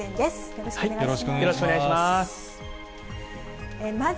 よろしくお願いします。